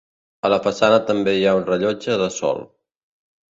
A la façana també hi ha un rellotge de sol.